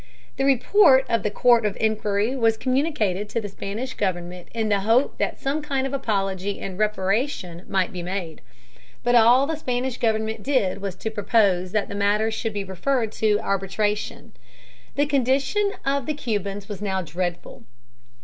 The report of the Court of Inquiry was communicated to the Spanish government in the hope that some kind of apology and reparation might be made. But all the Spanish government did was to propose that the matter should be referred to arbitration. The condition of the Cubans was now dreadful.